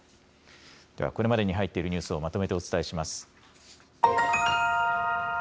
では、これまでに入っているニュースをまとめてお伝えします。